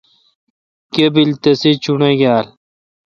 گیبل تسے چوݨاگیل ۔